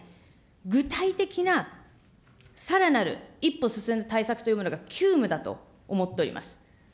具体的なさらなる一歩進んだ対策というものが急務だと思っております。